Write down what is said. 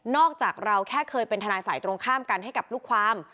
จากเราแค่เคยเป็นทนายฝ่ายตรงข้ามกันให้กับลูกความ